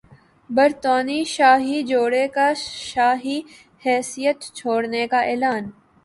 برطانوی شاہی جوڑے کا شاہی حیثیت چھوڑنے کا اعلان